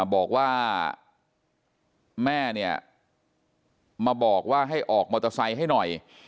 บอกว่าแม่เนี่ยมาบอกว่าให้ออกมอเตอร์ไซค์ให้หน่อย